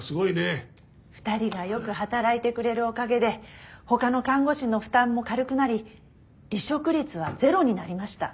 ２人がよく働いてくれるおかげで他の看護師の負担も軽くなり離職率はゼロになりました。